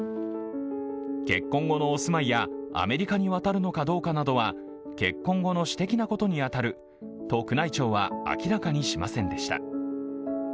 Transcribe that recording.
結婚後のお住まいやアメリカに渡るのかどうかなどは結婚後の私的なことに当たると宮内庁は明らかにしませんでした。